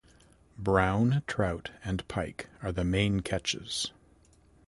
Brown trout and pike are the main catches.